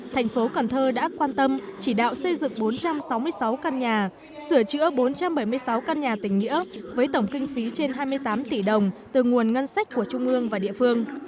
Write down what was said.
thành phố cần thơ đã quan tâm chỉ đạo xây dựng bốn trăm sáu mươi sáu căn nhà sửa chữa bốn trăm bảy mươi sáu căn nhà tình nghĩa với tổng kinh phí trên hai mươi tám tỷ đồng từ nguồn ngân sách của trung ương và địa phương